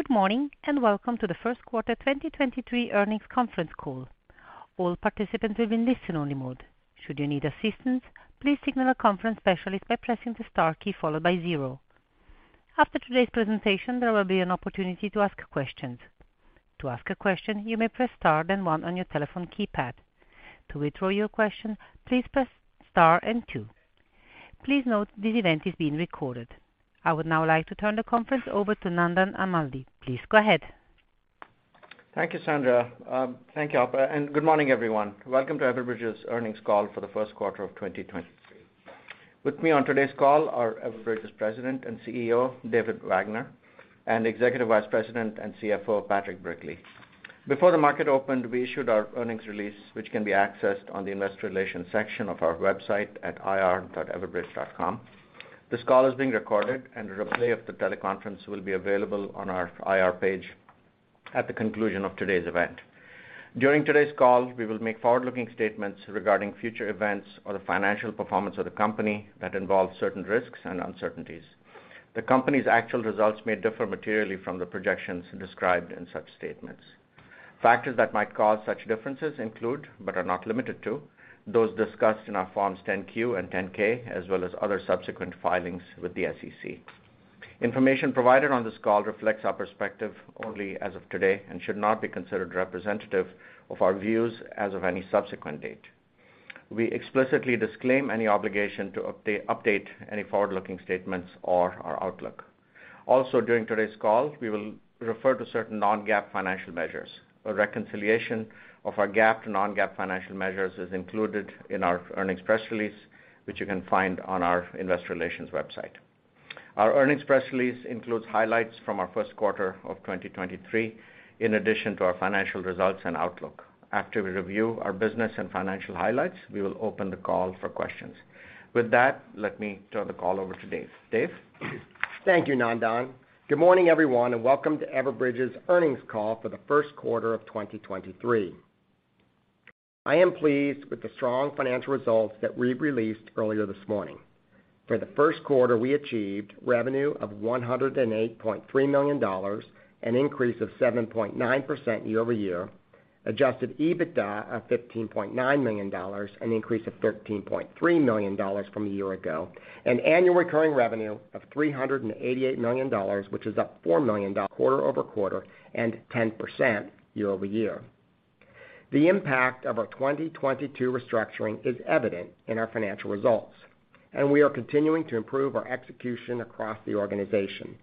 Good morning, and welcome to the 1st quarter 2023 earnings conference call. All participants will be in listen only mode. Should you need assistance, please signal a conference specialist by pressing the Star key followed by zero. After today's presentation, there will be an opportunity to ask questions. To ask a question, you may press Star then one on your telephone keypad. To withdraw your question, please press Star and two. Please note this event is being recorded. I would now like to turn the conference over to Nandan Amladi. Please go ahead. Thank you, Sandra. Thank you, Sandra, and good morning, everyone. Welcome to Everbridge's earnings call for the first quarter of 2023. With me on today's call are Everbridge's President and CEO, David Wagner, and Executive Vice President and CFO, Patrick Brickley. Before the market opened, we issued our earnings release, which can be accessed on the investor relations section of our website at ir.everbridge.com. This call is being recorded, and a replay of the teleconference will be available on our IR page at the conclusion of today's event. During today's call, we will make forward-looking statements regarding future events or the financial performance of the company that involve certain risks and uncertainties. The company's actual results may differ materially from the projections described in such statements. Factors that might cause such differences include, but are not limited to those discussed in our forms 10-Q and 10-K, as well as other subsequent filings with the SEC. Information provided on this call reflects our perspective only as of today and should not be considered representative of our views as of any subsequent date. We explicitly disclaim any obligation to update any forward-looking statements or our outlook. During today's call, we will refer to certain non-GAAP financial measures. A reconciliation of our GAAP to non-GAAP financial measures is included in our earnings press release, which you can find on our investor relations website. Our earnings press release includes highlights from our first quarter of 2023, in addition to our financial results and outlook. After we review our business and financial highlights, we will open the call for questions. With that, let me turn the call over to David. David? Thank you, Nandan. Good morning, everyone, and welcome to Everbridge's earnings call for the first quarter of 2023. I am pleased with the strong financial results that we've released earlier this morning. For the first quarter, we achieved revenue of $108.3 million, an increase of 7.9% year-over-year, adjusted EBITDA of $15.9 million, an increase of $13.3 million from a year ago, and annual recurring revenue of $388 million, which is up $4 million quarter-over-quarter and 10% year-over-year. The impact of our 2022 restructuring is evident in our financial results, and we are continuing to improve our execution across the organization.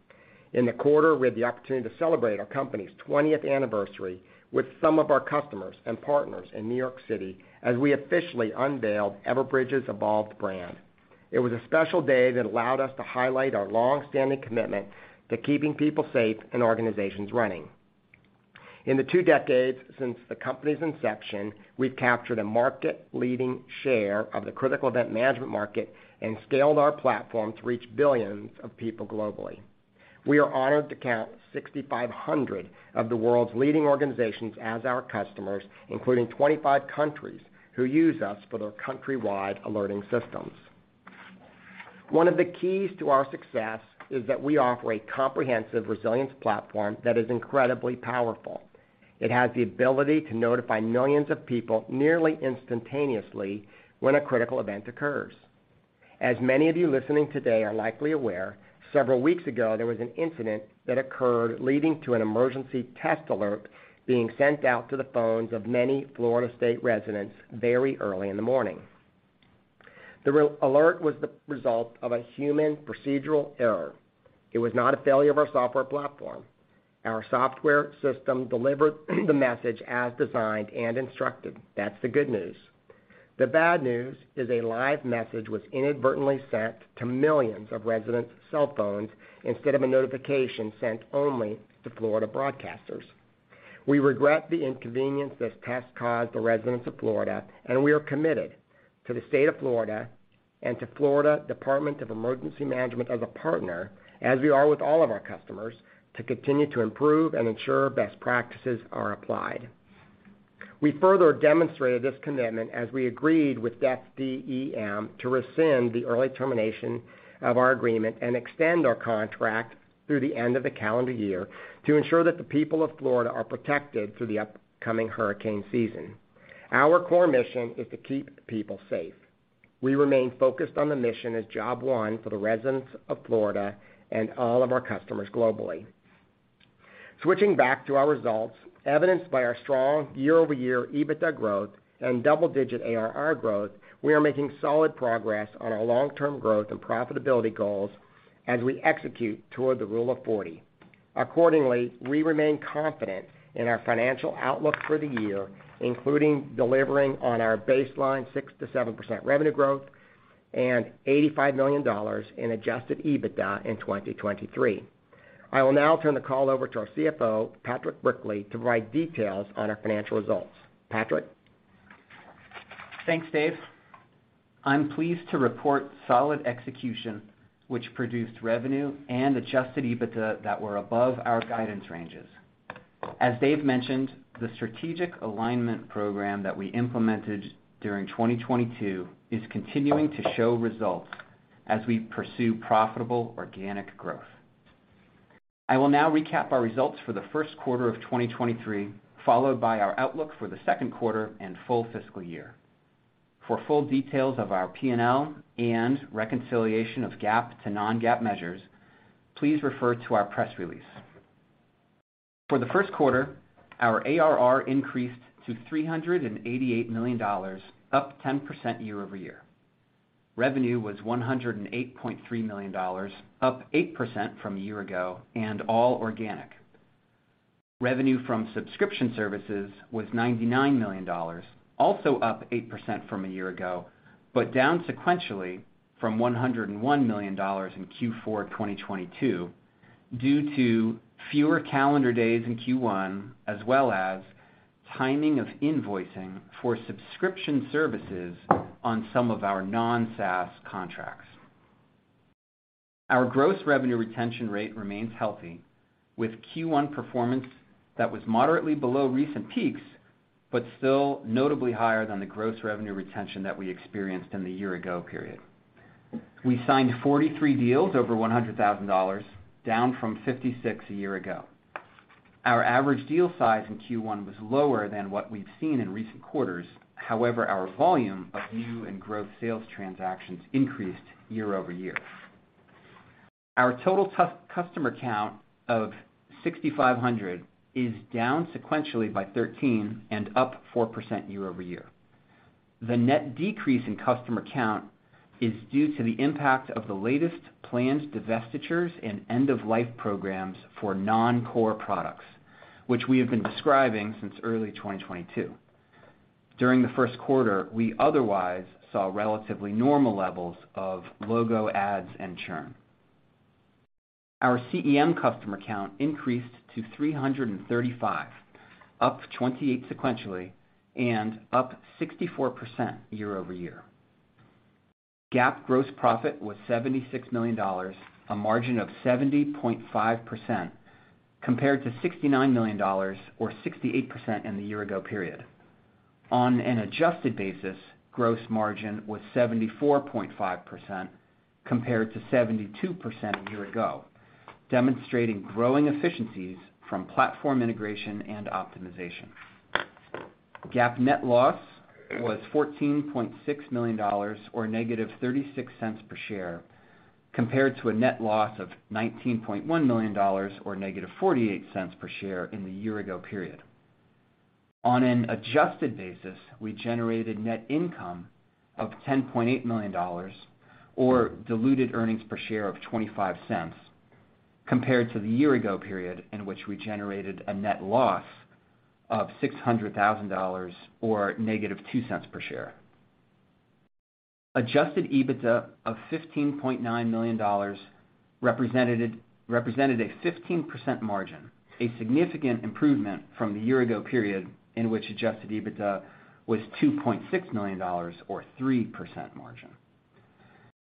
In the quarter, we had the opportunity to celebrate our company's 20th anniversary with some of our customers and partners in New York City as we officially unveiled Everbridge's evolved brand. It was a special day that allowed us to highlight our long-standing commitment to keeping people safe and organizations running. In the two decades since the company's inception, we've captured a market-leading share of the critical event management market and scaled our platform to reach billions of people globally. We are honored to count 6,500 of the world's leading organizations as our customers, including 25 countries who use us for their countrywide alerting systems. One of the keys to our success is that we offer a comprehensive resilience platform that is incredibly powerful. It has the ability to notify millions of people nearly instantaneously when a critical event occurs. As many of you listening today are likely aware, several weeks ago, there was an incident that occurred leading to an emergency test alert being sent out to the phones of many Florida State residents very early in the morning. The alert was the result of a human procedural error. It was not a failure of our software platform. Our software system delivered the message as designed and instructed. That's the good news. The bad news is a live message was inadvertently sent to millions of residents' cell phones instead of a notification sent only to Florida broadcasters. We regret the inconvenience this test caused the residents of Florida, and we are committed to the state of Florida and to Florida Division of Emergency Management as a partner, as we are with all of our customers, to continue to improve and ensure best practices are applied. We further demonstrated this commitment as we agreed with FDEM to rescind the early termination of our agreement and extend our contract through the end of the calendar year to ensure that the people of Florida are protected through the upcoming hurricane season. Our core mission is to keep people safe. We remain focused on the mission as job one for the residents of Florida and all of our customers globally. Switching back to our results, evidenced by our strong year-over-year EBITDA growth and double-digit ARR growth, we are making solid progress on our long-term growth and profitability goals as we execute toward the Rule of 40. Accordingly, we remain confident in our financial outlook for the year, including delivering on our baseline 6%-7% revenue growth and 85 million in adjusted EBITDA in 2023. I will now turn the call over to our CFO, Patrick Brickley, to provide details on our financial results. Patrick? Thanks, David. I'm pleased to report solid execution, which produced revenue and adjusted EBITDA that were above our guidance ranges. As David Wagner mentioned, the strategic alignment program that we implemented during 2022 is continuing to show results as we pursue profitable organic growth. I will now recap our results for the first quarter of 2023, followed by our outlook for the second quarter and full fiscal year. For full details of our PNL and reconciliation of GAAP to non-GAAP measures, please refer to our press release. For the first quarter, our ARR increased to $388 million, up 10% year-over-year. Revenue was $108.3 million, up 8% from a year ago and all organic. Revenue from subscription services was $99 million, also up 8% from a year ago. Down sequentially from $101 million in Q4 2022 due to fewer calendar days in Q1, as well as timing of invoicing for subscription services on some of our non-SaaS contracts. Our gross revenue retention rate remains healthy with Q1 performance that was moderately below recent peaks. Still notably higher than the gross revenue retention that we experienced in the year ago period. We signed 43 deals over $100,000, down from 56 a year ago. Our average deal size in Q1 was lower than what we've seen in recent quarters. However, our volume of new and growth sales transactions increased year-over-year. Our total customer count of 6,500 is down sequentially by 13 and up 4% year-over-year. The net decrease in customer count is due to the impact of the latest planned divestitures and end-of-life programs for non-core products, which we have been describing since early 2022. During the first quarter, we otherwise saw relatively normal levels of logo ads and churn. Our CEM customer count increased to 335, up 28 sequentially and up 64% year-over-year. GAAP gross profit was $76 million, a margin of 70.5% compared to $69 million or 68% in the year ago period. On an adjusted basis, gross margin was 74.5% compared to 72% a year ago, demonstrating growing efficiencies from platform integration and optimization. GAAP net loss was $14.6 million or negative 0.36 per share, compared to a net loss of $19.1 million or negative 0.48 per share in the year-ago period. On an adjusted basis, we generated net income of $10.8 million or diluted earnings per share of 0.25 compared to the year-ago period in which we generated a net loss of $600,000 or negative $0.02 per share. Adjusted EBITDA of $15.9 million represented a 15% margin, a significant improvement from the year-ago period in which adjusted EBITDA was $2.6 million or 3% margin.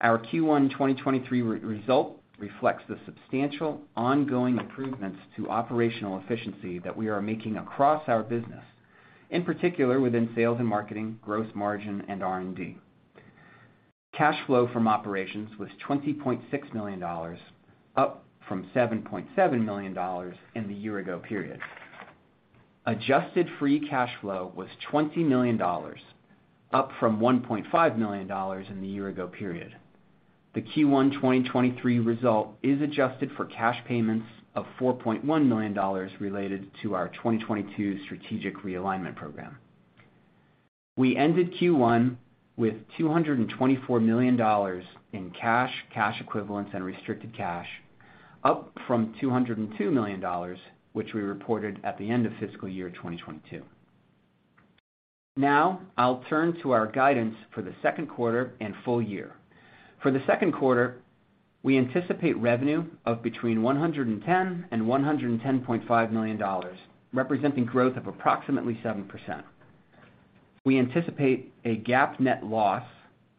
Our Q1 2023 result reflects the substantial ongoing improvements to operational efficiency that we are making across our business, in particular within sales and marketing, gross margin, and R&D. Cash flow from operations was $20.6 million, up from $7.7 million in the year ago period. Adjusted free cash flow was $20 million, up from $1.5 million in the year ago period. The Q1 2023 result is adjusted for cash payments of $4.1 million related to our 2022 strategic realignment program. We ended Q1 with $224 million in cash equivalents, and restricted cash, up from $202 million, which we reported at the end of fiscal year 2022. Now, I'll turn to our guidance for the second quarter and full year. For the second quarter, we anticipate revenue of between $110 million and $110.5 million, representing growth of approximately 7%. We anticipate a GAAP net loss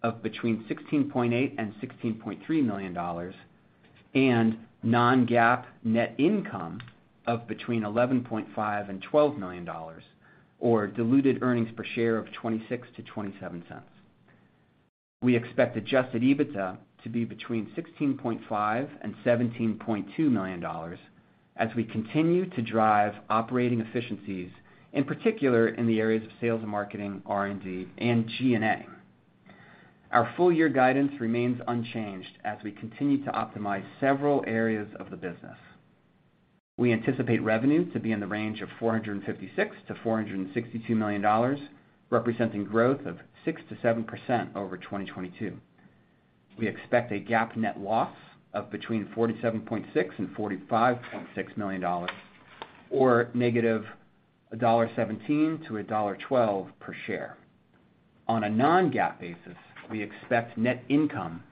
of between $16.8 million and $16.3 million and non-GAAP net income of between $11.5 million and $12 million, or diluted earnings per share of $0.26-$0.27. We expect adjusted EBITDA to be between $16.5 million and $17.2 million as we continue to drive operating efficiencies, in particular in the areas of sales and marketing, R&D, and G&A. Our full year guidance remains unchanged as we continue to optimize several areas of the business. We anticipate revenue to be in the range of $456 million-$462 million, representing growth of 6%-7% over 2022. We expect a GAAP net loss of between $47.6 million and $45.6 million or negative $1.17 to $1.12 per share. On a non-GAAP basis, we expect net income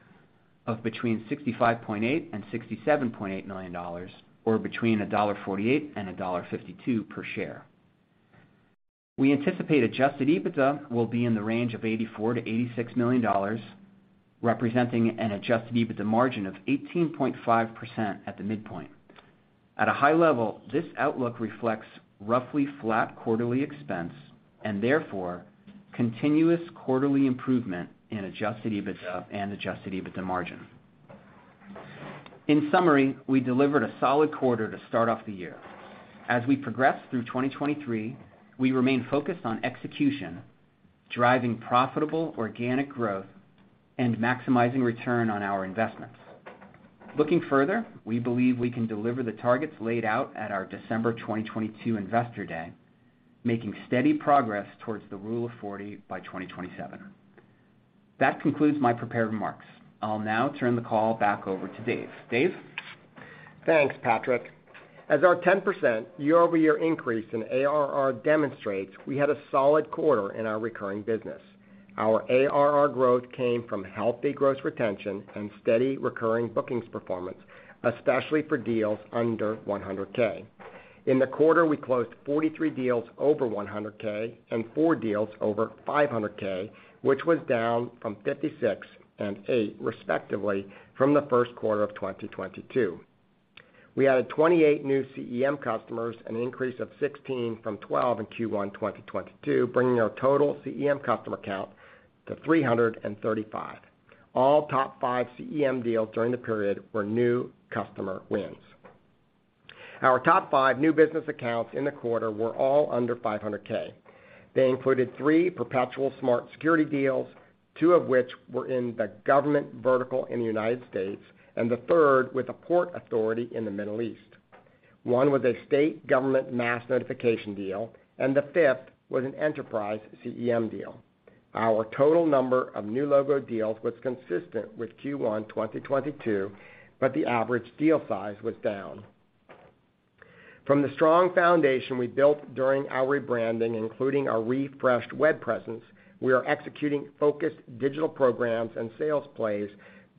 of between 65.8 and $67.8 million or between $1.48 and $1.52 per share. We anticipate adjusted EBITDA will be in the range of $84 million-$86 million, representing an adjusted EBITDA margin of 18.5% at the midpoint. At a high level, this outlook reflects roughly flat quarterly expense and therefore continuous quarterly improvement in adjusted EBITDA and adjusted EBITDA margin. In summary, we delivered a solid quarter to start off the year. As we progress through 2023, we remain focused on execution, driving profitable organic growth and maximizing return on our investments. Looking further, we believe we can deliver the targets laid out at our December 2022 investor day, making steady progress towards the Rule of 40 by 2027. That concludes my prepared remarks. I'll now turn the call back over to David. David? Thanks, Patrick. As our 10% year-over-year increase in ARR demonstrates, we had a solid quarter in our recurring business. Our ARR growth came from healthy gross retention and steady recurring bookings performance, especially for deals under $100K. In the quarter, we closed 43 deals over $100K and 4 deals over $500K, which was down from 56 and 8, respectively, from the first quarter of 2022. We added 28 new CEM customers, an increase of 16 from 12 in Q1 2022, bringing our total CEM customer count to 335. All top 5 CEM deals during the period were new customer wins. Our top 5 new business accounts in the quarter were all under $500K. They included three perpetual Smart Security deals, two of which were in the government vertical in the United States, and the third with a port authority in the Middle East. One was a state government Mass Notification deal. The fifth was an enterprise CEM deal. Our total number of new logo deals was consistent with Q1 2022, but the average deal size was down. From the strong foundation we built during our rebranding, including our refreshed web presence, we are executing focused digital programs and sales plays,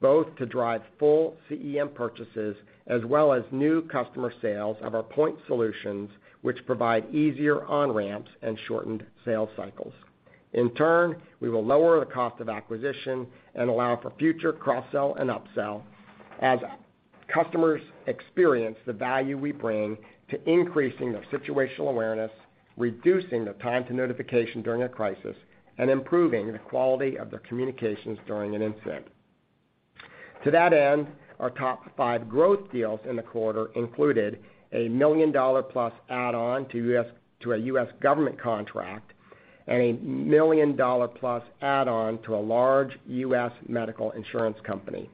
both to drive full CEM purchases as well as new customer sales of our point solutions, which provide easier on-ramps and shortened sales cycles. In turn, we will lower the cost of acquisition and allow for future cross-sell and upsell as customers experience the value we bring to increasing their situational awareness, reducing the time to notification during a crisis, and improving the quality of their communications during an incident. To that end, our top 5 growth deals in the quarter included a $1 million-plus add-on to a U.S. government contract and a $1 million-plus add-on to a large U.S. medical insurance company.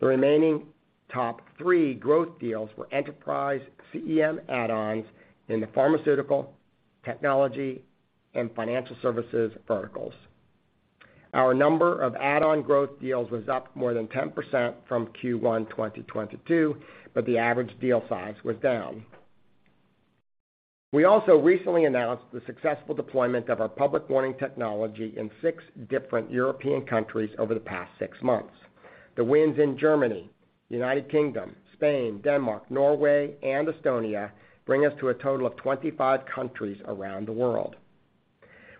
The remaining top 3 growth deals were enterprise CEM add-ons in the pharmaceutical, technology, and financial services verticals. Our number of add-on growth deals was up more than 10% from Q1 2022, but the average deal size was down. We also recently announced the successful deployment of our Public Warning technology in six different European countries over the past 6 months. The wins in Germany, United Kingdom, Spain, Denmark, Norway, and Estonia bring us to a total of 25 countries around the world.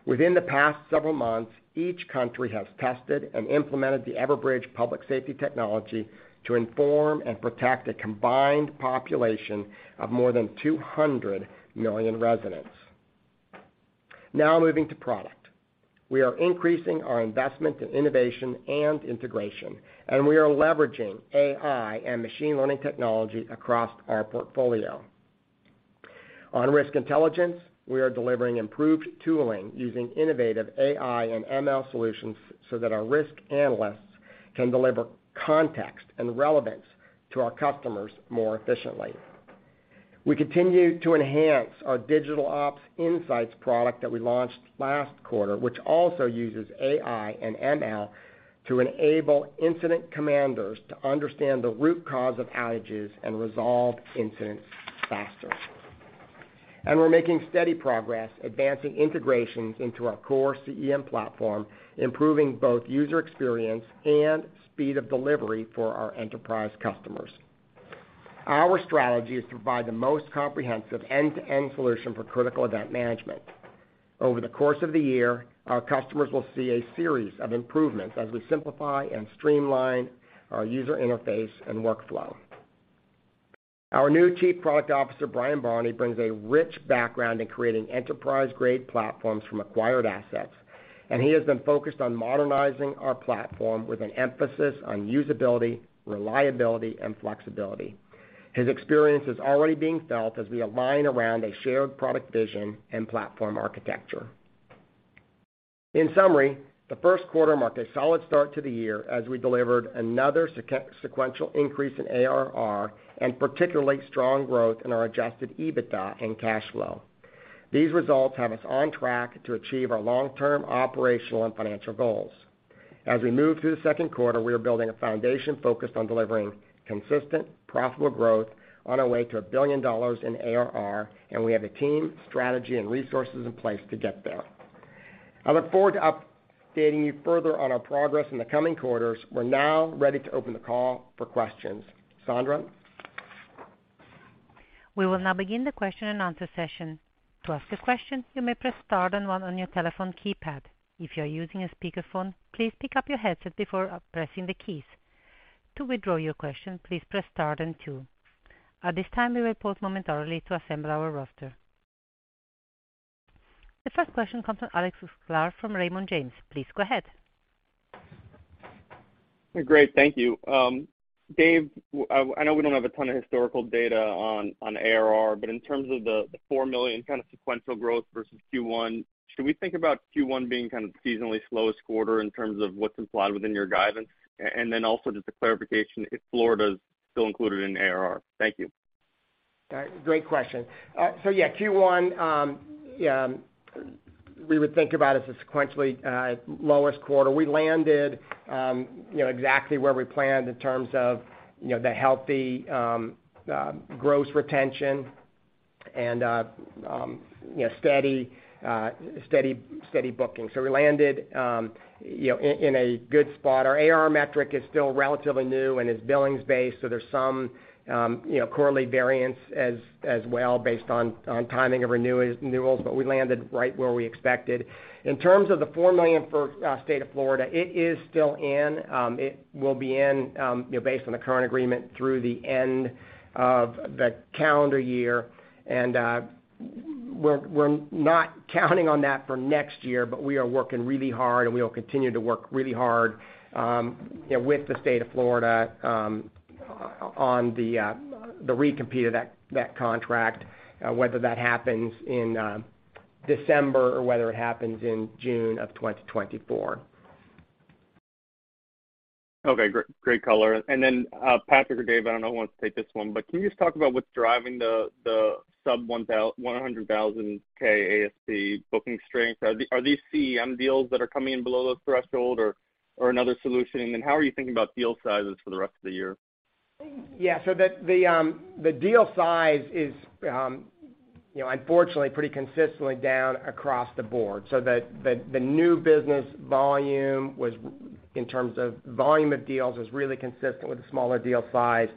Within the past several months, each country has tested and implemented the Everbridge public safety technology to inform and protect a combined population of more than 200 million residents. Moving to product. We are increasing our investment in innovation and integration, and we are leveraging AI and machine learning technology across our portfolio. On Risk Intelligence, we are delivering improved tooling using innovative AI and ML solutions so that our risk analysts can deliver context and relevance to our customers more efficiently. We continue to enhance our Digital Ops Insights product that we launched last quarter, which also uses AI and ML to enable incident commanders to understand the root cause of outages and resolve incidents faster. We're making steady progress advancing integrations into our core CEM platform, improving both user experience and speed of delivery for our enterprise customers. Our strategy is to provide the most comprehensive end-to-end solution for critical event management. Over the course of the year, our customers will see a series of improvements as we simplify and streamline our user interface and workflow. Our new Chief Product Officer, Bryan Barney, brings a rich background in creating enterprise-grade platforms from acquired assets, and he has been focused on modernizing our platform with an emphasis on usability, reliability, and flexibility. His experience is already being felt as we align around a shared product vision and platform architecture. In summary, the first quarter marked a solid start to the year as we delivered another sequential increase in ARR and particularly strong growth in our adjusted EBITDA and cash flow. These results have us on track to achieve our long-term operational and financial goals. As we move through the second quarter, we are building a foundation focused on delivering consistent, profitable growth on our way to $1 billion in ARR, and we have the team, strategy, and resources in place to get there. I look forward to updating you further on our progress in the coming quarters. We're now ready to open the call for questions. Sandra? We will now begin the question and answer session. To ask a question, you may press star then 1 on your telephone keypad. If you're using a speakerphone, please pick up your headset before pressing the keys. To withdraw your question, please press star then 2. At this time, we will pause momentarily to assemble our roster. The first question comes from Alex Sklar from Raymond James. Please go ahead. Great. Thank you. David, I know we don't have a ton of historical data on ARR, but in terms of the $4 million kind of sequential growth versus Q1, should we think about Q1 being kind of seasonally slowest quarter in terms of what's implied within your guidance? Then also just a clarification if Florida's still included in ARR. Thank you. All right. Great question. Yeah, Q1, yeah, we would think about it as a sequentially lowest quarter. We landed, you know, exactly where we planned in terms of, you know, the healthy, gross retention and, you know, steady booking. We landed, you know, in a good spot. Our ARR metric is still relatively new and is billings-based, so there's some, you know, quarterly variance as well based on timing of renewals, but we landed right where we expected. In terms of the $4 million for State of Florida, it is still in. It will be in, you know, based on the current agreement through the end of the calendar year. We're not counting on that for next year, but we are working really hard, and we will continue to work really hard, you know, with the state of Florida, on the recompete of that contract, whether that happens in December or whether it happens in June of 2024. Okay. Great, great color. Patrick or David, I don't know who wants to take this one, but can you just talk about what's driving the sub 100,000 K ACV booking strength? Are these CEM deals that are coming in below the threshold or another solution? How are you thinking about deal sizes for the rest of the year? The, the deal size is, you know, unfortunately pretty consistently down across the board. The, the new business volume in terms of volume of deals was really consistent with the smaller deal size.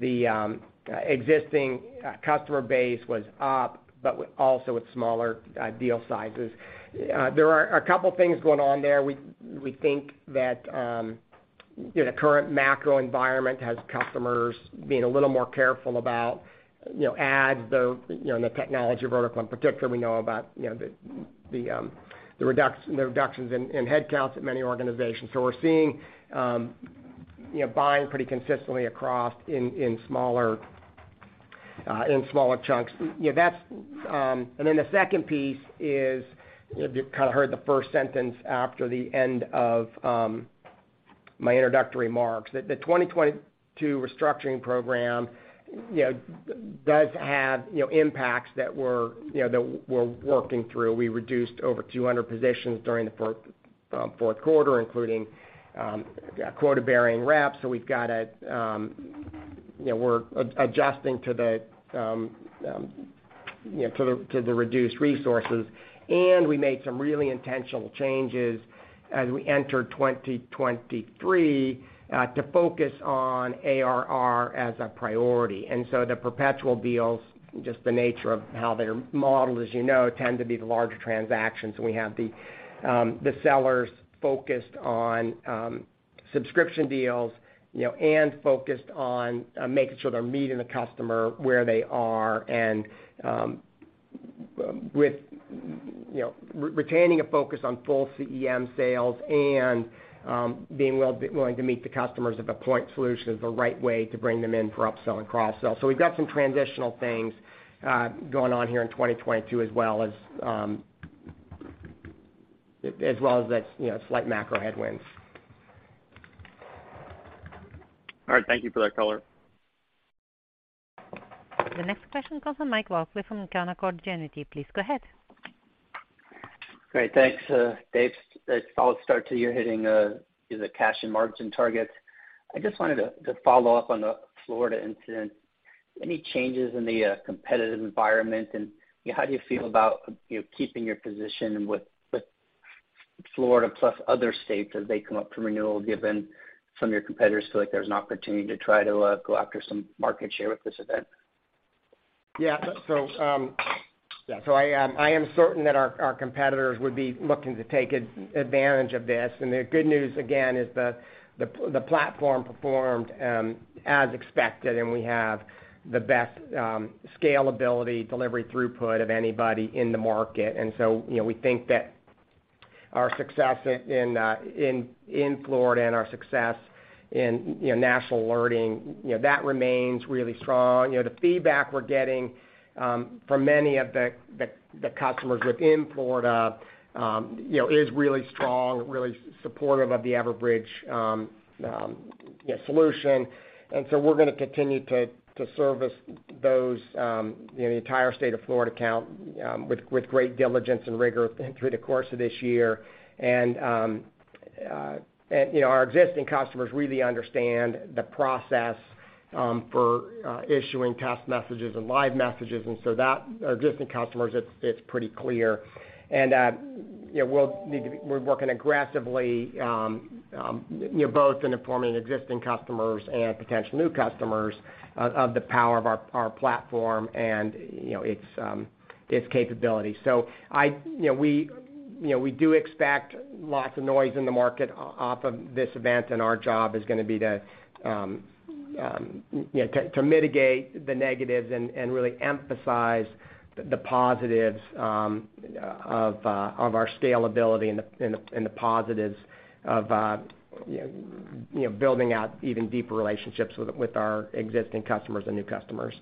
The existing customer base was up, but also with smaller deal sizes. There are a couple things going on there. We think that, you know, the current macro environment has customers being a little more careful about, you know, ads, the, you know, in the technology vertical in particular, we know about, you know, the reductions in headcounts at many organizations. We're seeing, you know, buying pretty consistently across, in smaller, in smaller chunks. That's. The second piece is, you kind of heard the first sentence after the end of my introductory remarks, that the 2022 restructuring program, you know, does have, you know, impacts that we're, you know, that we're working through. We reduced over 200 positions during the 4th quarter, including quota-bearing reps. We've got a, you know, we're adjusting to the, you know, to the, to the reduced resources. We made some really intentional changes as we entered 2023 to focus on ARR as a priority. The perpetual deals, just the nature of how they're modeled, as you know, tend to be the larger transactions. We have the sellers focused on subscription deals and focused on making sure they're meeting the customer where they are and with retaining a focus on full CEM sales and being willing to meet the customers at the point solution is the right way to bring them in for upsell and cross-sell. We've got some transitional things going on here in 2022 as well as as well as the slight macro headwinds. All right. Thank you for that color. The next question comes from Mike Walkley from Canaccord Genuity. Please go ahead. Great. Thanks, David Let's follow start to you're hitting the cash and margin targets. I just wanted to follow up on the Florida incident. Any changes in the competitive environment, and how do you feel about, you know, keeping your position with Florida plus other states as they come up for renewal, given some of your competitors feel like there's an opportunity to try to go after some market share with this event? Yeah. So, yeah. I am certain that our competitors would be looking to take advantage of this. The good news, again, is the platform performed as expected, and we have the best scalability, delivery throughput of anybody in the market. You know, we think that our success in Florida and our success in, you know, national alerting, you know, that remains really strong. You know, the feedback we're getting from many of the customers within Florida, you know, is really strong, really supportive of the Everbridge, you know, solution. We're going to continue to service those, you know, the entire state of Florida count, with great diligence and rigor through the course of this year. You know, our existing customers really understand the process for issuing test messages and live messages, and so that, our existing customers, it's pretty clear. You know, we're working aggressively, you know, both in informing existing customers and potential new customers of the power of our platform and, you know, its capability. I, you know, we, you know, we do expect lots of noise in the market off of this event, and our job is going to be to, you know, to mitigate the negatives and really emphasize the positives of our scalability and the positives of, you know, building out even deeper relationships with our existing customers and new customers.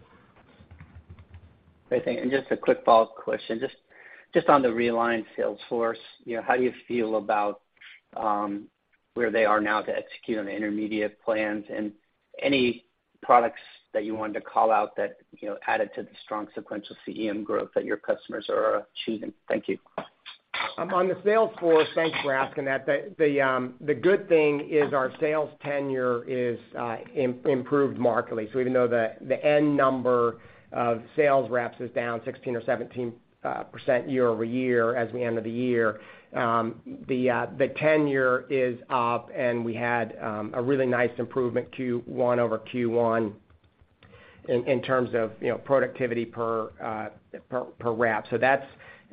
Great, thank you. Just a quick follow-up question. Just on the realigned sales force, you know, how do you feel about where they are now to execute on the intermediate plans? Any products that you wanted to call out that, you know, added to the strong sequential CEM growth that your customers are achieving? Thank you. On the sales force, thanks for asking that. The good thing is our sales tenure is improved markedly. Even though the end number of sales reps is down 16% or 17% year-over-year as we end of the year, the tenure is up, and we had a really nice improvement Q1 over Q1 in terms of, you know, productivity per rep.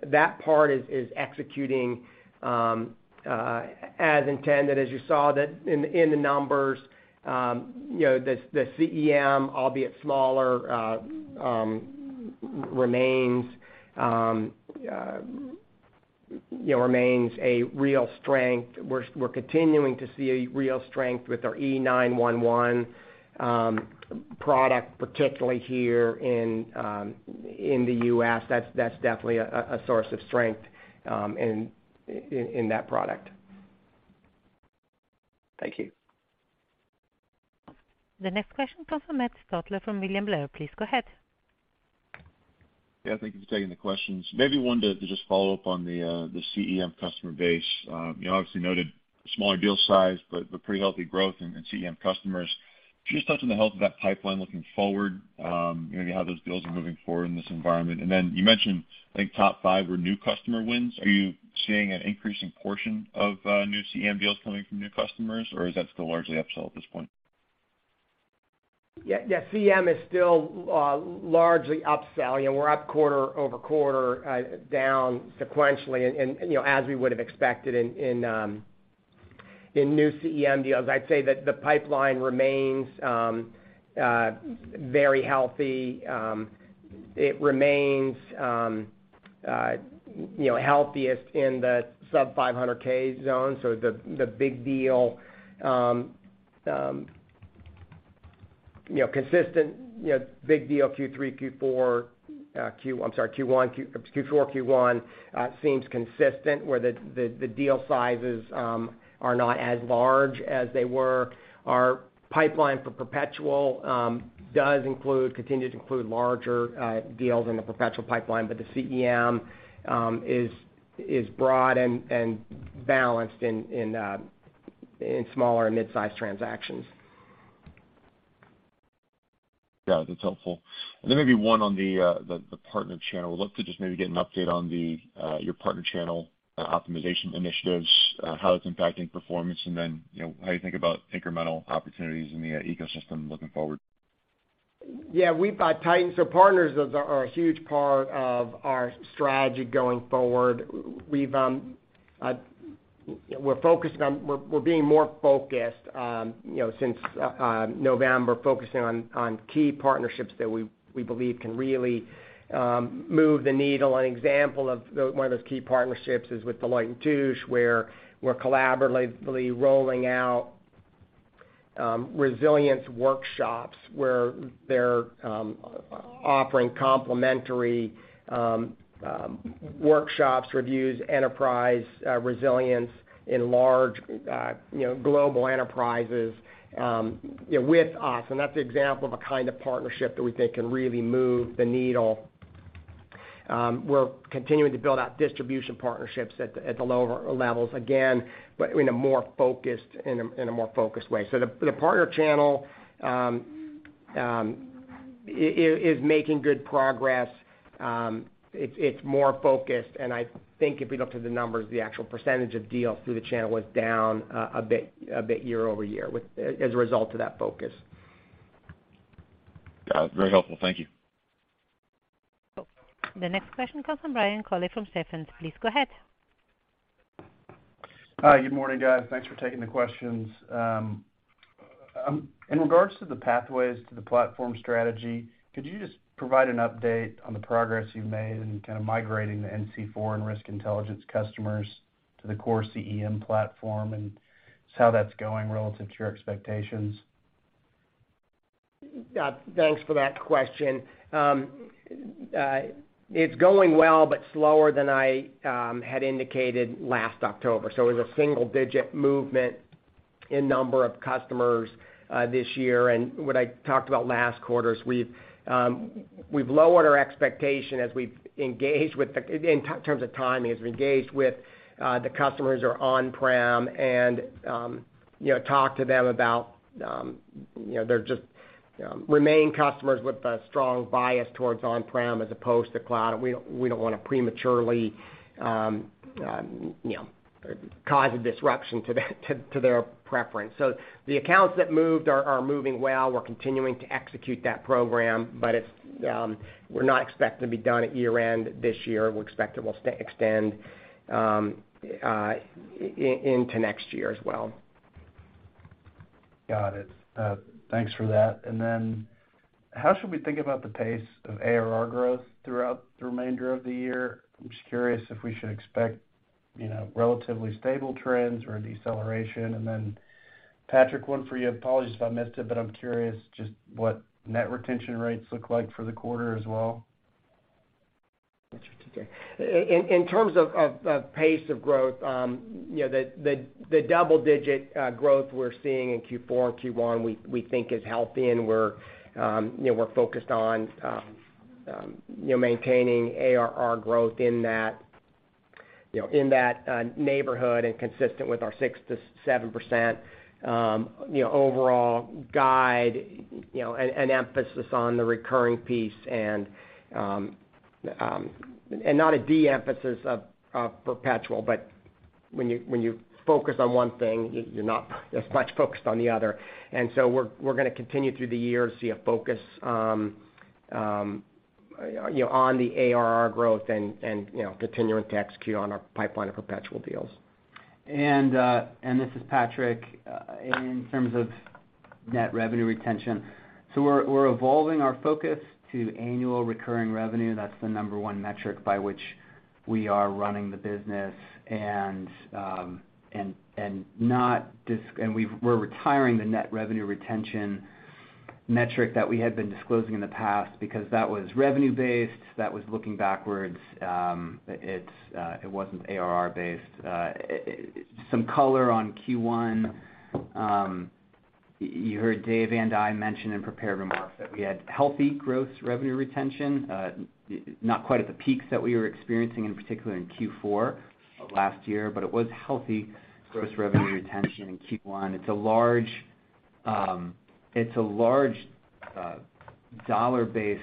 That part is executing as intended. As you saw that in the numbers, you know, the CEM, albeit smaller, remains, you know, a real strength. We're continuing to see a real strength with our E911 product, particularly here in the U.S. That's definitely a source of strength in that product. Thank you. The next question comes from Matt Stotler from William Blair. Please go ahead. Yeah, thank you for taking the questions. Maybe wanted to just follow up on the CEM customer base. You obviously noted smaller deal size, but pretty healthy growth in CEM customers. Can you just touch on the health of that pipeline looking forward, you know, how those deals are moving forward in this environment? Then you mentioned, I think top five were new customer wins. Are you seeing an increasing portion of new CEM deals coming from new customers, or is that still largely upsell at this point? Yeah. CEM is still largely upsell. You know, we're up quarter-over-quarter, down sequentially and, you know, as we would've expected in new CEM deals. I'd say that the pipeline remains very healthy. It remains, you know, healthiest in the sub $500K zone. The big deal, you know, consistent, you know, big deal Q3, Q4, I'm sorry, Q1, Q4, Q1, seems consistent where the deal sizes are not as large as they were. Our pipeline for perpetual does include, continue to include larger deals in the perpetual pipeline, the CEM is broad and balanced in smaller mid-sized transactions. Yeah, that's helpful. Then maybe one on the partner channel. I'd love to just maybe get an update on your partner channel optimization initiatives, how it's impacting performance, and then, you know, how you think about incremental opportunities in the ecosystem looking forward. Yeah, we've tightened. Partners are a huge part of our strategy going forward. We've, we're being more focused, you know, since November, focusing on key partnerships that we believe can really move the needle. An example of one of those key partnerships is with Deloitte, where we're collaboratively rolling out resilience workshops, where they're offering complimentary workshops, reviews, enterprise resilience in large, you know, global enterprises, you know, with us. That's an example of a kind of partnership that we think can really move the needle. We're continuing to build out distribution partnerships at the lower levels, again, but in a more focused, in a more focused way. The partner channel is making good progress. It's more focused, I think if we look to the numbers, the actual percentage of deals through the channel was down, a bit year-over-year with, as a result of that focus. Got it. Very helpful. Thank you. The next question comes from Brian Colley from Stephens. Please go ahead. Hi. Good morning, guys. Thanks for taking the questions. In regards to the pathways to the platform strategy, could you just provide an update on the progress you've made in kind of migrating the NC4 and Risk Intelligence customers to the core CEM platform and just how that's going relative to your expectations? Thanks for that question. It's going well but slower than I had indicated last October. It was a single-digit movement in number of customers. This year, what I talked about last quarter is we've lowered our expectation as we've engaged in terms of timing, as we engaged with the customers who are on-prem and, you know, talk to them about, you know, they're just remain customers with a strong bias towards on-prem as opposed to cloud. We don't want to prematurely, you know, cause a disruption to their preference. The accounts that moved are moving well. We're continuing to execute that program, but it's we're not expected to be done at year-end this year. We expect it will extend into next year as well. Got it. Thanks for that. How should we think about the pace of ARR growth throughout the remainder of the year? I'm just curious if we should expect, you know, relatively stable trends or a deceleration. Patrick, one for you. Apologies if I missed it, but I'm curious just what net retention rates look like for the quarter as well. In terms of pace of growth, you know, the double digit growth we're seeing in Q4 and Q1, we think is healthy and we're, you know, we're focused on, you know, maintaining ARR growth in that, you know, in that neighborhood and consistent with our 6% to 7%, you know, overall guide, you know, an emphasis on the recurring piece and not a de-emphasis of perpetual, but when you focus on one thing, you're not as much focused on the other. So we're going to continue through the year, see a focus, you know, on the ARR growth and, you know, continuing to execute on our pipeline of perpetual deals. This is Patrick. In terms of net revenue retention, we're evolving our focus to annual recurring revenue. That's the number one metric by which we are running the business. We're retiring the net revenue retention metric that we had been disclosing in the past because that was revenue based, that was looking backwards. It's, it wasn't ARR based. Some color on Q1. You heard David and I mention in prepared remarks that we had healthy gross revenue retention, not quite at the peaks that we were experiencing, in particular in Q4 last year, but it was healthy gross revenue retention in Q1. It's a large dollar-based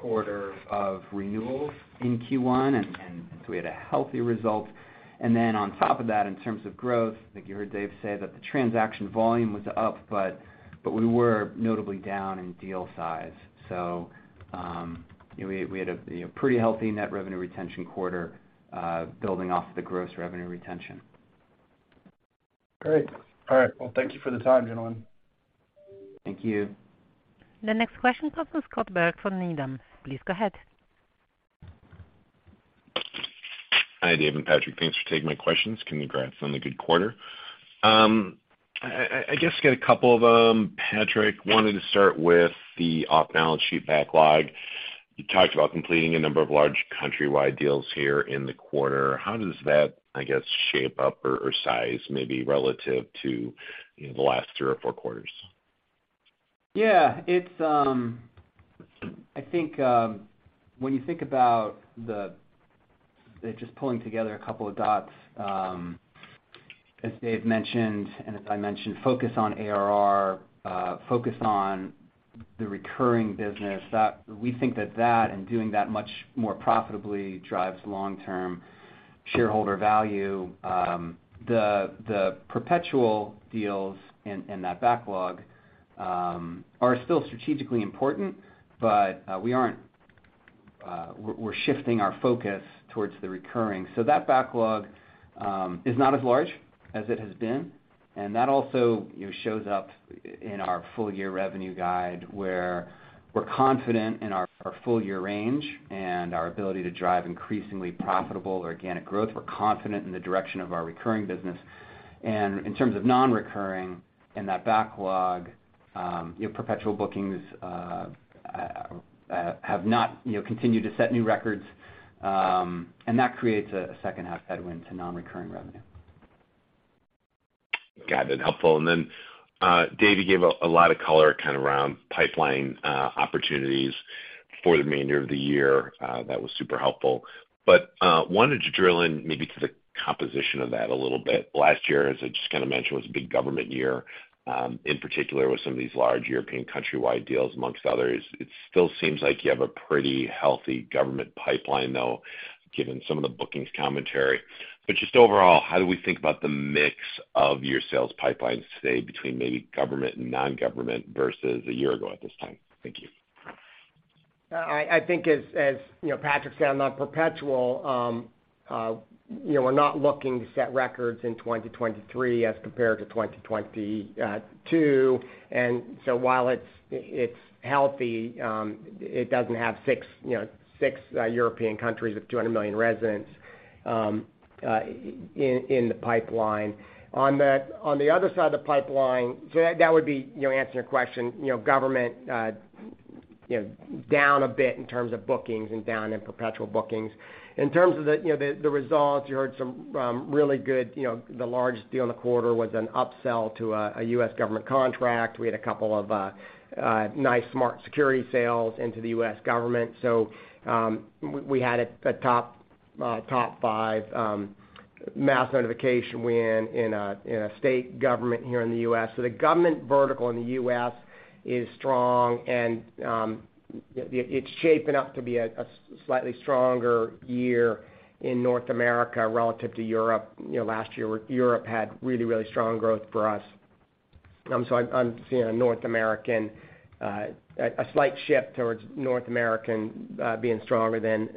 quarter of renewals in Q1, we had a healthy result. On top of that, in terms of growth, I think you heard David say that the transaction volume was up, but we were notably down in deal size. We had a pretty healthy net revenue retention quarter, building off the gross revenue retention. Great. All right. Well, thank you for the time, gentlemen. Thank you. The next question comes from Scott Berg from Needham. Please go ahead. Hi, David and Patrick. Thanks for taking my questions. Congrats on the good quarter. I just got a couple of them. Patrick, wanted to start with the off-balance sheet backlog. You talked about completing a number of large countrywide deals here in the quarter. How does that, I guess, shape up or size maybe relative to, you know, the last three or four quarters? Yeah. It's, I think, when you think about just pulling together a couple of dots, as David mentioned, and as I mentioned, focus on ARR, focus on the recurring business, that we think that that and doing that much more profitably drives long-term shareholder value. The perpetual deals and that backlog are still strategically important, but we aren't, we're shifting our focus towards the recurring. That backlog is not as large as it has been, and that also, you know, shows up in our full year revenue guide, where we're confident in our full year range and our ability to drive increasingly profitable organic growth. We're confident in the direction of our recurring business. In terms of non-recurring in that backlog, you know, perpetual bookings have not, you know, continued to set new records, and that creates a second half headwind to non-recurring revenue. Got it. Helpful. Then David, you gave a lot of color kind of around pipeline opportunities for the remainder of the year. That was super helpful. Wanted to drill in maybe to the composition of that a little bit. Last year, as I just kind of mentioned, was a big government year, in particular with some of these large European countrywide deals amongst others. It still seems like you have a pretty healthy government pipeline, though, given some of the bookings commentary. Just overall, how do we think about the mix of your sales pipelines today between maybe government and non-government versus a year ago at this time? Thank you. I think as, you know, Patrick said on perpetual, you know, we're not looking to set records in 2023 as compared to 2022. While it's healthy, it doesn't have six, you know, European countries with 200 million residents in the pipeline. On the other side of the pipeline, that would be, you know, answering your question, you know, government, You know, down a bit in terms of bookings and down in perpetual bookings. In terms of the, you know, the results, you heard some, really good, you know, the largest deal in the quarter was an upsell to a U.S. government contract. We had a couple of nice Smart Security sales into the U.S. government. We had a top five Mass Notification win in a state government here in the U.S. The government vertical in the U.S. is strong, it's shaping up to be a slightly stronger year in North America relative to Europe. You know, last year, Europe had really strong growth for us. I'm seeing a North American, a slight shift towards North American, being stronger than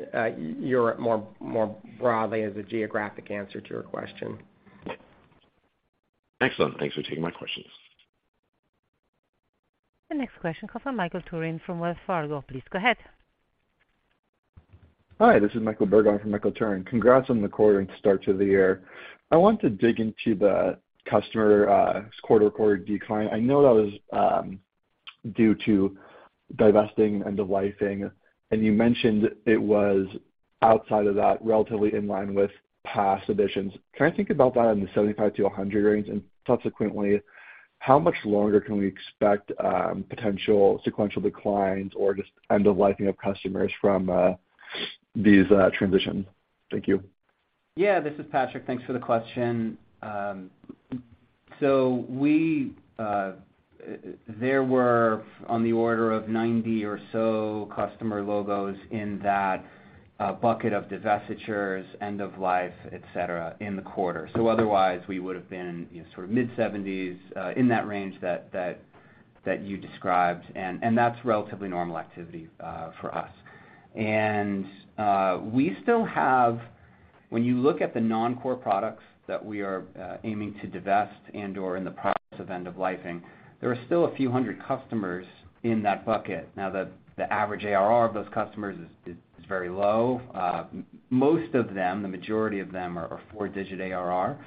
Europe more broadly as a geographic answer to your question. Excellent. Thanks for taking my questions. The next question comes from Michael Turrin from Wells Fargo. Please go ahead. Hi, this is Michael Turrin from Michael Turrin. Congrats on the quarter and start to the year. I want to dig into the customer, quarter reported decline. I know that was due to divesting, end-of-lifing, and you mentioned it was outside of that, relatively in line with past editions. Can I think about that in the 75-100 range? Subsequently, how much longer can we expect potential sequential declines or just end-of-lifing of customers from these transitions? Thank you. Yeah, this is Patrick. Thanks for the question. We, there were on the order of 90 or so customer logos in that bucket of divestitures, end of life, et cetera, in the quarter. Otherwise, we would have been, you know, sort of mid-70s, in that range that you described, and that's relatively normal activity, for us. We still have... When you look at the non-core products that we are aiming to divest and/or in the process of end-of-lifing, there are still a few hundred customers in that bucket. The average ARR of those customers is very low. Most of them, the majority of them are 4-digit ARR.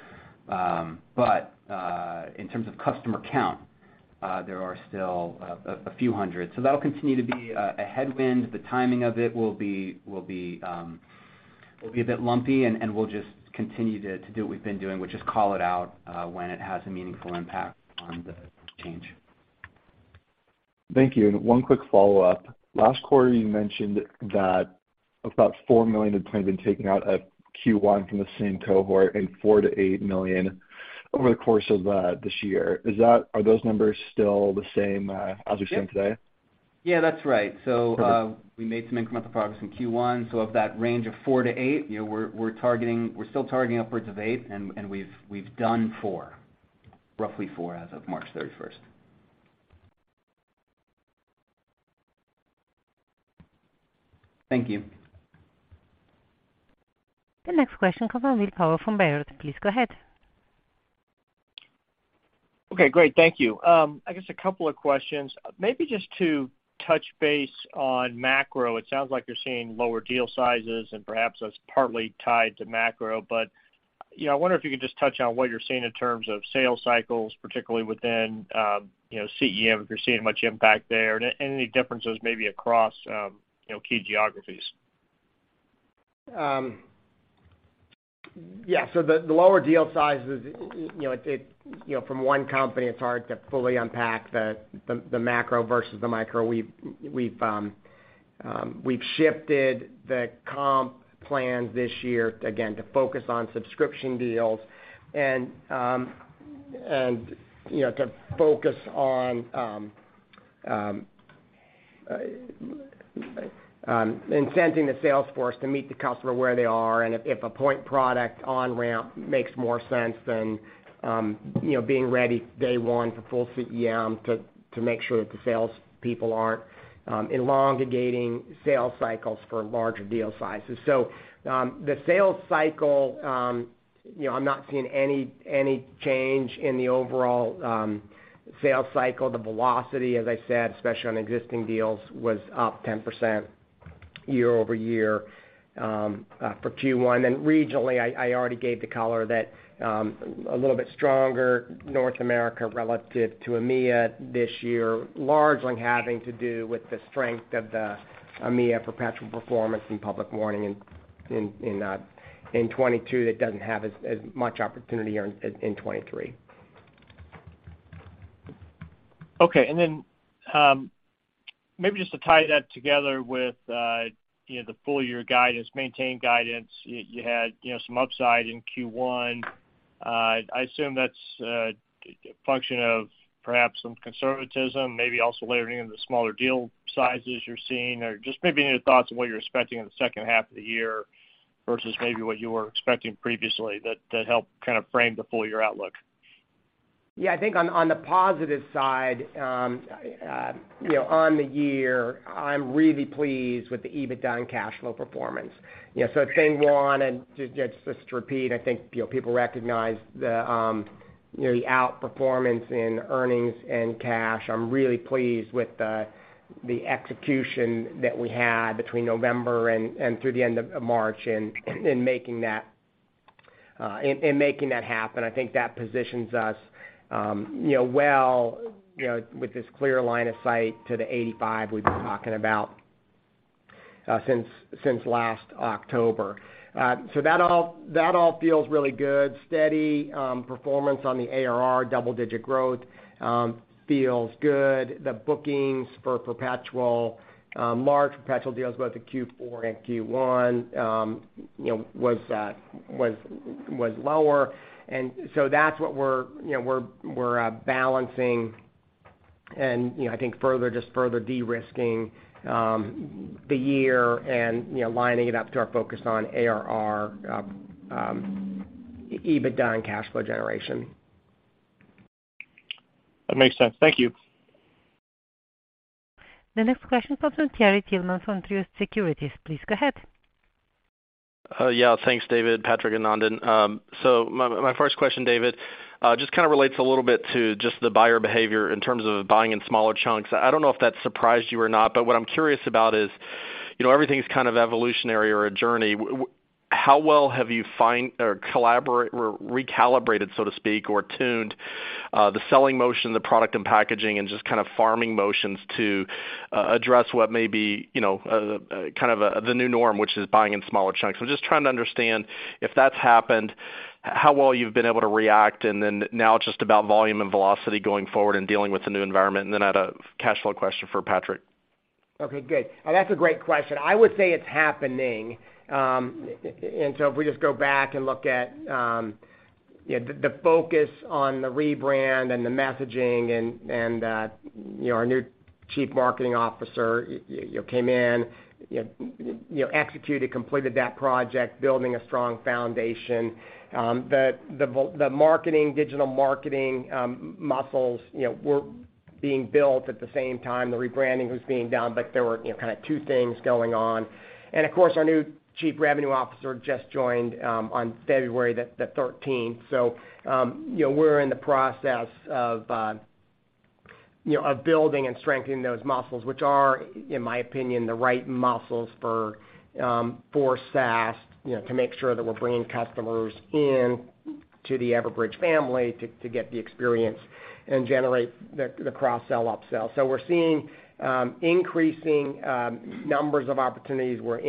In terms of customer count, there are still a few hundred. That'll continue to be a headwind. The timing of it will be a bit lumpy, and we'll just continue to do what we've been doing, which is call it out when it has a meaningful impact on the change. Thank you. One quick follow-up. Last quarter, you mentioned that about $4 million had planned on taking out of Q1 from the same cohort and $4 million-$8 million over the course of this year. Are those numbers still the same as you stand today? That's right. We made some incremental progress in Q1. Of that range of four-eight, you know, we're targeting, we're still targeting upwards of 8, and we've done four, roughly four as of March 31st. Thank you. The next question comes from Will Power from Baird. Please go ahead. Okay, great. Thank you. I guess a couple of questions. Maybe just to touch base on macro, it sounds like you're seeing lower deal sizes, and perhaps that's partly tied to macro. You know, I wonder if you could just touch on what you're seeing in terms of sales cycles, particularly within, you know, CEM, if you're seeing much impact there, and any differences maybe across, you know, key geographies. Yeah. The lower deal sizes, you know, from one company, it's hard to fully unpack the macro versus the micro. We've shifted the comp plans this year, again, to focus on subscription deals and, you know, to focus on incenting the sales force to meet the customer where they are. And if a point product on-ramp makes more sense than, you know, being ready day one for full CEM to make sure that the sales people aren't elongating sales cycles for larger deal sizes. The sales cycle, you know, I'm not seeing any change in the overall sales cycle. The velocity, as I said, especially on existing deals, was up 10% year-over-year for Q1. Regionally, I already gave the color that a little bit stronger North America relative to EMEA this year, largely having to do with the strength of the EMEA perpetual performance in Public Warning in 2022 that doesn't have as much opportunity here in 2023. Okay. Maybe just to tie that together with, you know, the full year guidance, maintained guidance, you had, you know, some upside in Q1. I assume that's a function of perhaps some conservatism, maybe also layering in the smaller deal sizes you're seeing, or just maybe any thoughts on what you're expecting in the second half of the year versus maybe what you were expecting previously that help kind of frame the full year outlook? Yeah. I think on the positive side, you know, on the year, I'm really pleased with the EBITDA and cash flow performance. You know, so thing one, and just to repeat, I think, you know, people recognize the outperformance in earnings and cash. I'm really pleased with the execution that we had between November and through the end of March in making that happen, I think that positions us, you know, well, you know, with this clear line of sight to the 85 we've been talking about since last October. That all feels really good. Steady performance on the ARR double-digit growth feels good. The bookings for perpetual, large perpetual deals, both in Q4 and Q1, you know, was lower. That's what we're, you know, balancing and, you know, I think further just further de-risking the year and, you know, lining it up to our focus on ARR, EBITDA and cash flow generation. That makes sense. Thank you. The next question comes from Terry Tillman from Truist Securities. Please go ahead. Yeah, thanks David, Patrick, and Nandan. My first question, David, just kind of relates a little bit to just the buyer behavior in terms of buying in smaller chunks. I don't know if that surprised you or not, but what I'm curious about is, you know, everything's kind of evolutionary or a journey. How well have you find or collaborate or recalibrated, so to speak, or tuned, the selling motion, the product and packaging, and just kind of farming motions to address what may be, you know, kind of, the new norm, which is buying in smaller chunks? Just trying to understand if that's happened, how well you've been able to react, and then now it's just about volume and velocity going forward and dealing with the new environment. I had a cash flow question for Patrick. Okay, good. That's a great question. I would say it's happening. If we just go back and look at, you know, the focus on the rebrand and the messaging and, you know, our new chief marketing officer, you know, came in, executed, completed that project, building a strong foundation. The marketing, digital marketing, muscles, you know, were being built at the same time the rebranding was being done, but there were, you know, kind of two things going on. Of course, our new chief revenue officer just joined on February the 13th. You know, we're in the process of, you know, of building and strengthening those muscles, which are, in my opinion, the right muscles for SaaS, you know, to make sure that we're bringing customers in to the Everbridge family to get the experience and generate the cross-sell, upsell. We're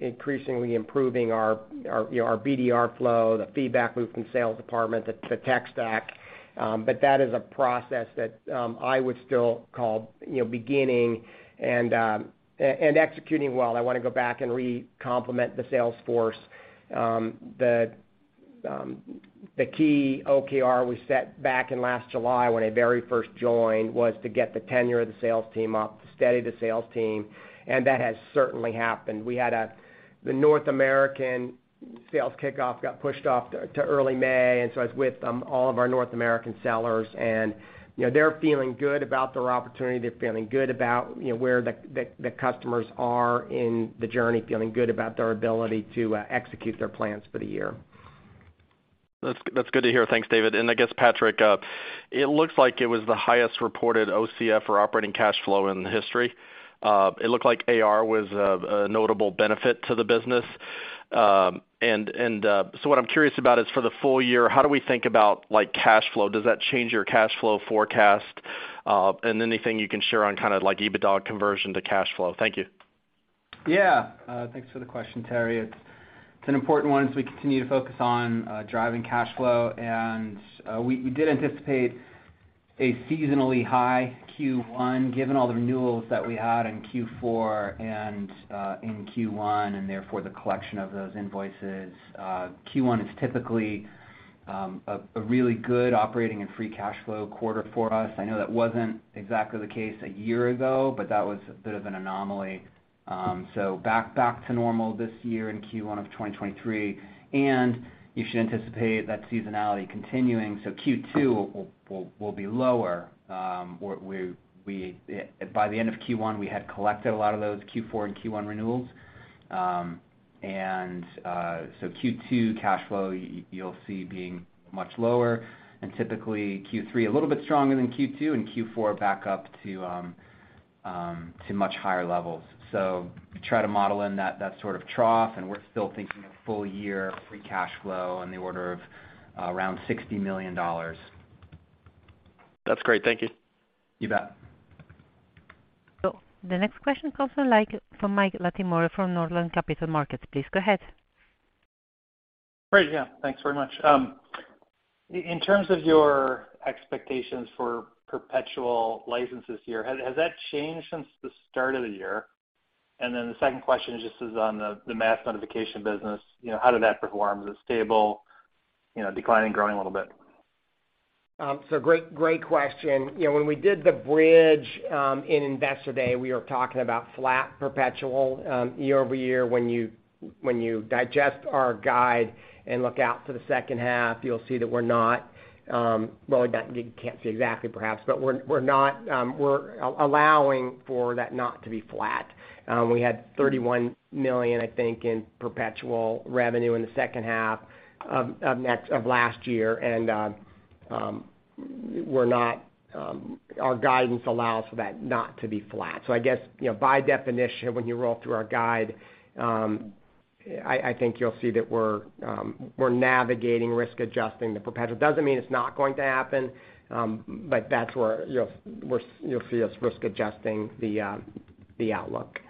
increasingly improving our, you know, our BDR flow, the feedback loop from sales department, the tech stack. That is a process that I would still call, you know, beginning and executing well. I want to go back and re-compliment the sales force. The key OKR we set back in last July when I very first joined was to get the tenure of the sales team up, steady the sales team, and that has certainly happened. The North American sales kickoff got pushed off to early May. I was with all of our North American sellers. You know, they're feeling good about their opportunity. They're feeling good about, you know, where the, the customers are in the journey, feeling good about their ability to execute their plans for the year. That's good to hear. Thanks, David. I guess, Patrick, it looks like it was the highest reported OCF or operating cash flow in history. It looked like AR was a notable benefit to the business. What I'm curious about is for the full year, how do we think about like cash flow? Does that change your cash flow forecast? Anything you can share on kind of like EBITDA conversion to cash flow? Thank you. Yeah. Thanks for the question, Terry. It's an important one as we continue to focus on driving cash flow. We did anticipate a seasonally high Q1 given all the renewals that we had in Q4 and in Q1, and therefore the collection of those invoices. Q1 is typically a really good operating and free cash flow quarter for us. I know that wasn't exactly the case a year ago, but that was a bit of an anomaly. So back to normal this year in Q1 of 2023, and you should anticipate that seasonality continuing. Q2 will be lower. Where By the end of Q1, we had collected a lot of those Q4 and Q1 renewals. Q2 cash flow you'll see being much lower, and typically Q3 a little bit stronger than Q2, and Q4 back up to much higher levels. Try to model in that sort of trough, and we're still thinking of full year free cash flow in the order of around $60 million. That's great. Thank you. You bet. The next question comes from Mike Latimore from Northland Capital Markets. Please go ahead. Great. Yeah. Thanks very much. In terms of your expectations for perpetual license this year, has that changed since the start of the year? The second question just is on the Mass Notification business. You know, how did that perform? Is it stable? You know, declining, growing a little bit? Great, great question. You know, when we did the bridge in Investor Day, we were talking about flat perpetual year over year. When you digest our guide and look out to the second half, you'll see that we're not. You can't see exactly perhaps, but we're not, we're allowing for that not to be flat. We had $31 million, I think, in perpetual revenue in the second half of last year. Our guidance allows for that not to be flat. I guess, you know, by definition, when you roll through our guide, I think you'll see that we're navigating risk adjusting the perpetual. Doesn't mean it's not going to happen, but that's where you'll see us risk adjusting the outlook.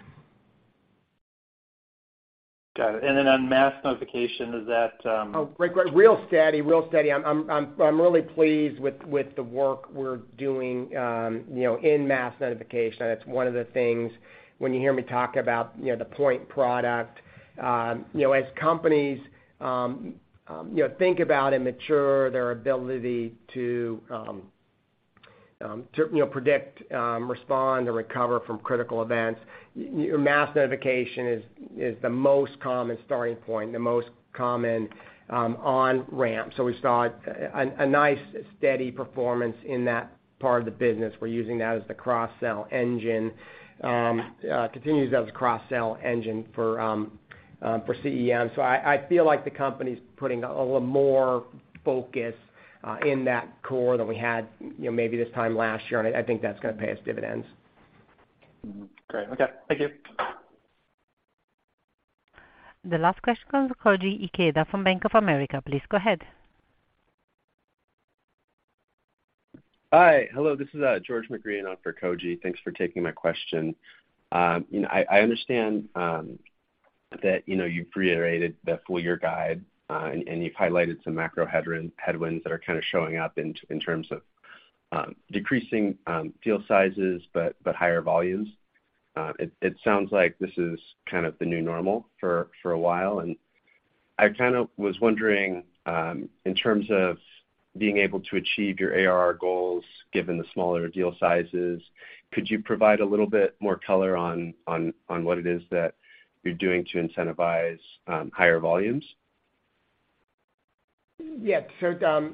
Got it. Then on Mass Notification, is that? Oh, great. Real steady, real steady. I'm really pleased with the work we're doing, you know, in Mass Notification. That's one of the things when you hear me talk about, you know, the point product, you know, as companies, you know, think about and mature their ability to, you know, predict, respond or recover from critical events, your Mass Notification is the most common starting point, the most common on-ramp. We saw a nice steady performance in that part of the business. We're using that as the cross-sell engine, continues as a cross-sell engine for CEM. I feel like the company's putting a little more focus in that core than we had, you know, maybe this time last year, and I think that's going to pay us dividends. Mm-hmm. Great. Okay. Thank you. The last question comes from Koji Ikeda from Bank of America. Please go ahead. Hi. Hello, this is George MacGrehan in for Koji. Thanks for taking my question. You know, I understand that, you know, you've reiterated the full year guide, and you've highlighted some macro headwinds that are kind of showing up in terms of decreasing deal sizes, but higher volumes. It sounds like this is kind of the new normal for a while, and I kind of was wondering, in terms of being able to achieve your ARR goals, given the smaller deal sizes, could you provide a little bit more color on what it is that you're doing to incentivize higher volumes? Yeah. The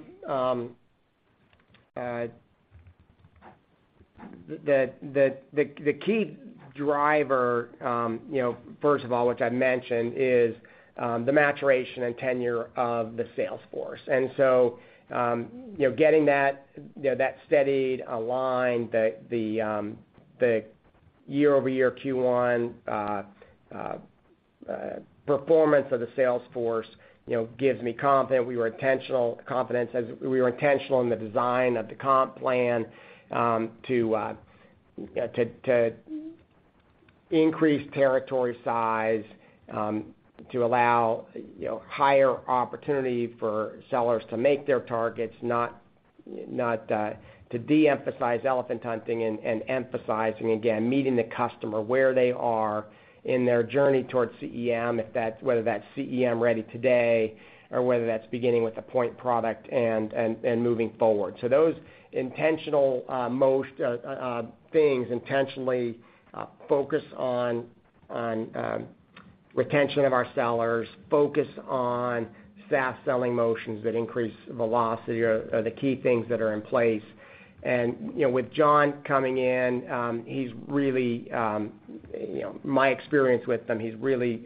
key driver, you know, first of all, which I mentioned, is the maturation and tenure of the sales force. You know, getting that, you know, that steadied, aligned, the year-over-year Q1 performance of the sales force, you know, gives me confidence as we were intentional in the design of the comp plan to increase territory size to allow, you know, higher opportunity for sellers to make their targets, not to de-emphasize elephant hunting and emphasizing again, meeting the customer where they are in their journey towards CEM, whether that's CEM ready today or whether that's beginning with the point product and moving forward. Those intentional most things intentionally focus on retention of our sellers, focus on fast selling motions that increase velocity are the key things that are in place. You know, with John coming in, he's really, you know, my experience with them, he's really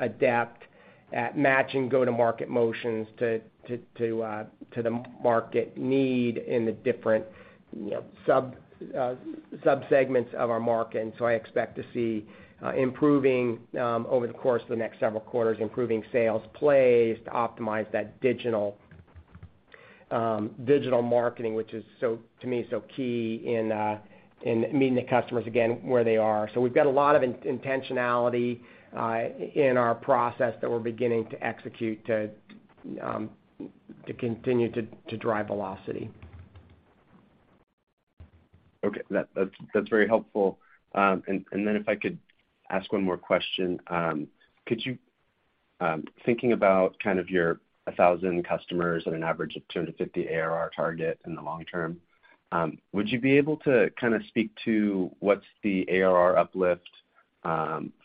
adept at matching go-to-market motions to the market need in the different, you know, subsegments of our market. I expect to see improving over the course of the next several quarters, improving sales plays to optimize that digital marketing, which is so, to me, is so key in meeting the customers again where they are. We've got a lot of intentionality in our process that we're beginning to execute to continue to drive velocity. Okay. That's very helpful. Then if I could ask one more question. Could you, Thinking about kind of your 1,000 customers and an average of 250 ARR target in the long term, would you be able to kind of speak to what's the ARR uplift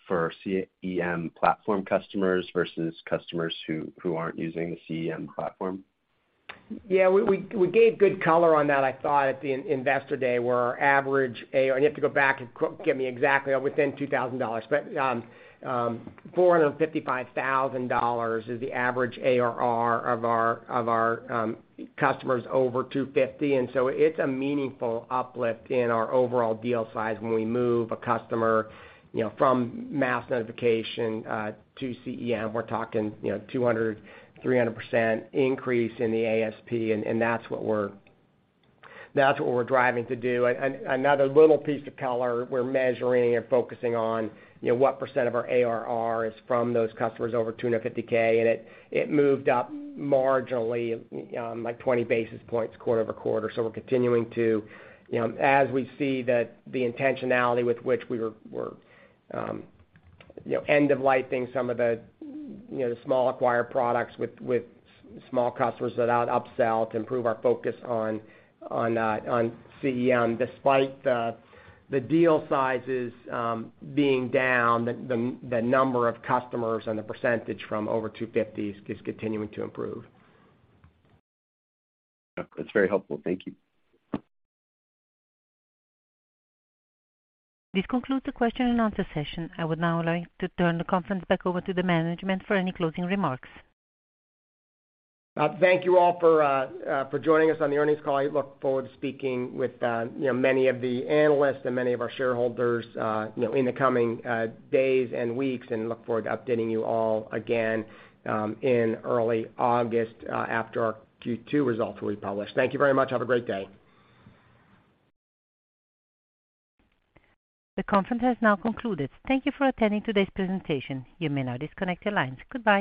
for CEM platform customers versus customers who aren't using the CEM platform? We gave good color on that, I thought, at the investor day, where our average ARR. You have to go back and give me exactly within $2,000. Four hundred and fifty-five thousand dollars is the average ARR of our customers over $250K. It's a meaningful uplift in our overall deal size when we move a customer, you know, from Mass Notification to CEM. We're talking, you know, 200%-300% increase in the ASP, and that's what we're, that's what we're driving to do. Another little piece of color we're measuring and focusing on, you know, what percent of our ARR is from those customers over $250K, and it moved up marginally, like 20 basis points quarter-over-quarter. We're continuing to. You know, as we see the intentionality with which we were, you know, end-of-life-ing some of the, you know, small acquired products with small customers without upsell to improve our focus on CEM, despite the deal sizes being down, the number of customers and the percentage from over 250s is continuing to improve. Yeah. That's very helpful. Thank you. This concludes the question and answer session. I would now like to turn the conference back over to the management for any closing remarks. Thank you all for joining us on the earnings call. I look forward to speaking with, you know, many of the analysts and many of our shareholders, you know, in the coming days and weeks and look forward to updating you all again in early August after our Q2 results will be published. Thank you very much. Have a great day. The conference has now concluded. Thank you for attending today's presentation. You may now disconnect your lines. Goodbye.